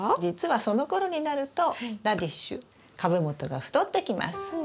実はそのころになるとラディッシュ株元が太ってきます。